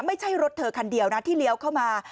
ไม่ใช่รถเธอคันเดียวนะที่เลี้ยวเข้ามา